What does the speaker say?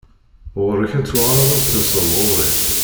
Ɣur-k ad tuɣaleḍ ad d-taseḍ ɣur-i.